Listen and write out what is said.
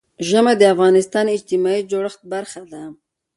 ژمی د افغانستان د اجتماعي جوړښت برخه ده.